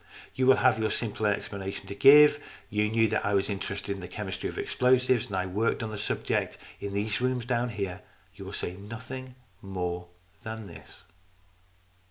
You will have your simple explanation to give. You knew that I was interested in the chemistry of explosives, and that 1 worked at the subject in those rooms down there. You will say nothing more than this."